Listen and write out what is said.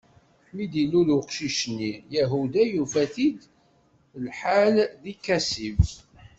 Mi d-ilul uqcic-nni, Yahuda yufa-t-id lḥal di Kazib.